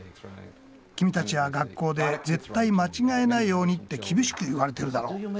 君たちは学校で「絶対間違えないように」って厳しく言われてるだろ？